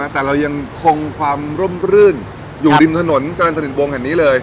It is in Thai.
แต่เรายังคงความร่มรื่นอยู่ริมถนนจรรย์สนิทวงแห่งนี้เลย